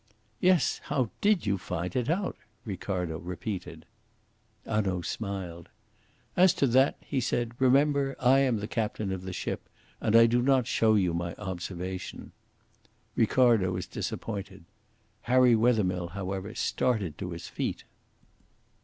"Yes, how did you find it out?" Ricardo repeated. Hanaud smiled. "As to that," he said, "remember I am the captain of the ship, and I do not show you my observation." Ricardo was disappointed. Harry Wethermill, however, started to his feet.